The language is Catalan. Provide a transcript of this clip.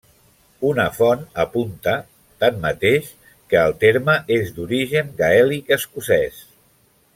Una font apunta, tanmateix, que el terme és d'origen gaèlic escocès.